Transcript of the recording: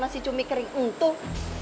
masa si cumi kering untuh